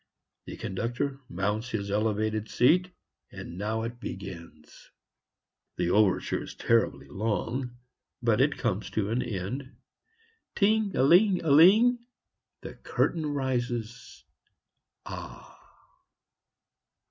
The conductor mounts his elevated seat and now it begins. The overture is terribly long, but it comes to an end. Ting aling aling, the curtain rises. Ah!